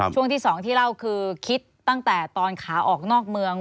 ช่วงที่๒ที่เล่าคือคิดตั้งแต่ตอนขาออกนอกเมือง